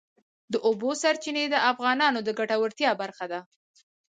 د اوبو سرچینې د افغانانو د ګټورتیا برخه ده.